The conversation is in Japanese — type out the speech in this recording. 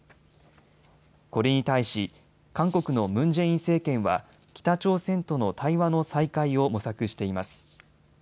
これに対し、韓国のムン・ジェイン政権は北朝鮮との対話の再開を模索しています。